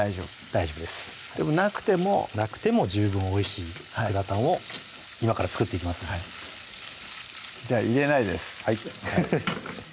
大丈夫ですでもなくてもなくても十分おいしいグラタンを今から作っていきますのではいじゃあ入れないですはいフフフッ